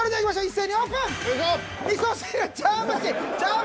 一斉にオープン！